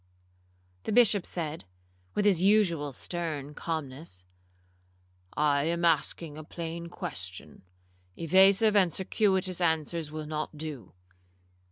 The Bishop said, with his usual stern calmness, 'I am asking a plain question—evasive and circuitous answers will not do.